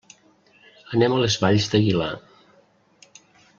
Anem a les Valls d'Aguilar.